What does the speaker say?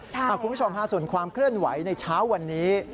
คุณผู้ชมฮะส่วนความเคลื่อนไหวในเช้าวันนี้